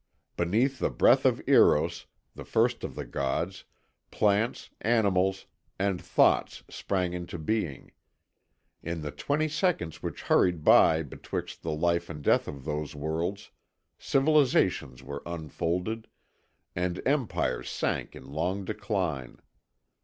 Beneath the breath of Eros the first of the gods, plants, animals, and thoughts sprang into being. In the twenty seconds which hurried by betwixt the life and death of those worlds, civilizations were unfolded, and empires sank in long decline.